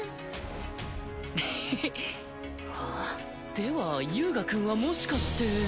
では遊我くんはもしかして。